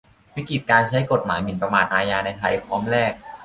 วิกฤตการใช้กฎหมายหมิ่นประมาทอาญาในไทย พร้อมแลก